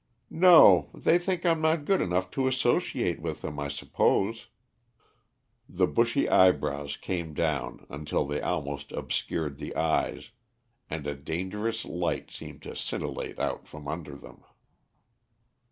"No. They think I'm not good enough to associate with them, I suppose." The bushy eyebrows came down until they almost obscured the eyes, and a dangerous light seemed to scintillate out from under them.